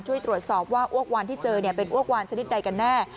ช่วยตรวจสอบว่าอ้วกวานที่เจอเป็นอ้วกวานชนิดใดกันแน่